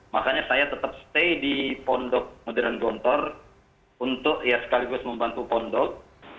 makanya saya tetap stay di pondok modern gontor untuk ya sekaligus membantu pondok